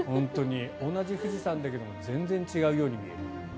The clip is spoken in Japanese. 同じ富士山だけど全然違うように見える。